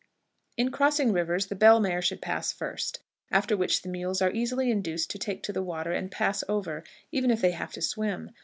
In crossing rivers the bell mare should pass first, after which the mules are easily induced to take to the water and pass over, even if they have to swim.